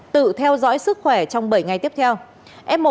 tự theo dõi sức khỏe trong bảy ngày tiếp theo